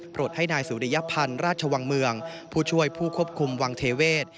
ให้นายสุริยพันธ์ราชวังเมืองผู้ช่วยผู้ควบคุมวังเทเวศ